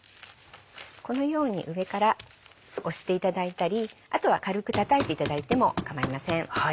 このように上から押していただいたりあとは軽くたたいていただいても構いません。